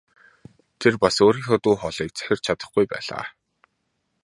Тэр бас өөрийнхөө дуу хоолойг захирч чадахгүй байлаа.